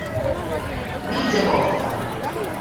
Mitja volta!